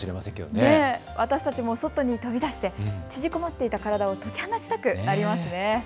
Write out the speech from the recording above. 私たちも外に飛び出して縮こまっていた体を解き放ちたくなりますね。